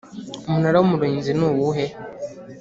Umunara w Umurinzi nuwuhe